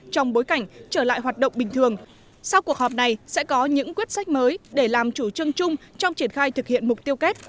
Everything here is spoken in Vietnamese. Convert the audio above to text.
trong bối cảnh trở lại hoạt động bình thường sau cuộc họp này sẽ có những quyết sách mới để làm chủ chân chung trong triển khai thực hiện mục tiêu kép